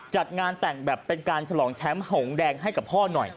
จัดงานแต่งแบบเป็นการฉลองแชมป์หงแดงให้กับพ่อหน่อย